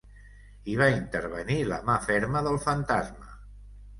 Hi va intervenir la mà ferma del fantasma.